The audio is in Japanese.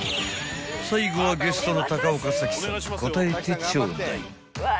［最後はゲストの高岡早紀さん答えてちょうだい］